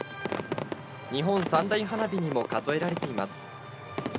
日本三大花火にも数えられています。